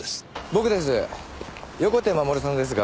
僕です。